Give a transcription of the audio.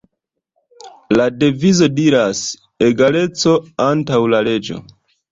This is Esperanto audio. La devizo diras, "Egaleco Antaŭ La Leĝo.